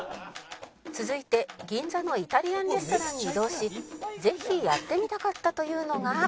「続いて銀座のイタリアンレストランに移動しぜひやってみたかったというのが」